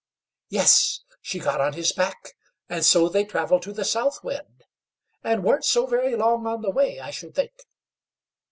Yes! she got on his back, and so they travelled to the South Wind, and weren't so very long on the way, I should think.